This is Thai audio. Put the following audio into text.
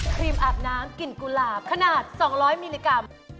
ครีมอาบน้ำกลิ่นกุหลาบขนาด๒๐๐มิลลิกรัม